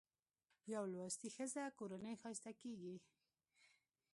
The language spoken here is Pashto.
په لوستې ښځه کورنۍ ښايسته کېږي